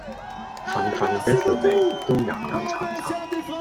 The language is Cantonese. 份份 resume 都岩岩巉巉